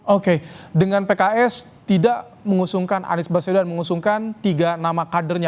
oke dengan pks tidak mengusungkan anies baswedan mengusungkan tiga nama kadernya